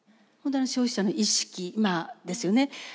本当に消費者の意識ですよね。